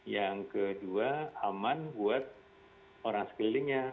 yang kedua aman buat orang sekelilingnya